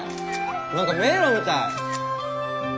何か迷路みたい。